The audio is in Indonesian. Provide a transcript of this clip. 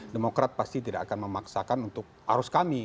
demokrat pasti tidak akan memaksakan untuk arus kami